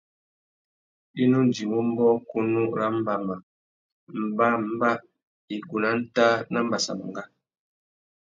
I nu djïmú mbōkunú râ mbama, mbămbá, igúh nà ntāh na mbassamangá.